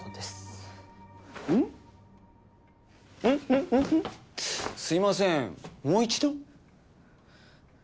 すいませんもう一度。